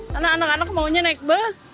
karena anak anak maunya naik bus